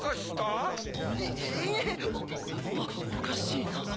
いえおかしいな。